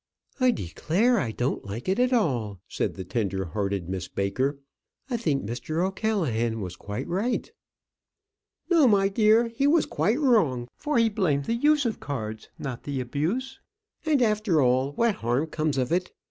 "I declare I don't like it at all," said the tender hearted Miss Baker. "I think Mr. O'Callaghan was quite right." "No, my dear, he was quite wrong, for he blamed the use of cards, not the abuse. And after all, what harm comes of it?